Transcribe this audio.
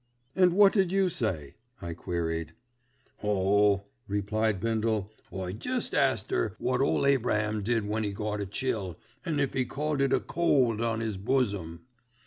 "And what did you say?" I queried. "Oh!" replied Bindle, "I jest asked 'er wot ole Abraham did when he got a chill, an' if 'e called it a cold on 'is bosom?"